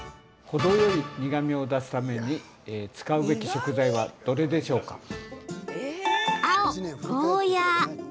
程よい苦みを出すために使うべき食材はどれでしょうか？